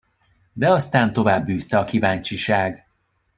De aztán továbbűzte a kíváncsiság.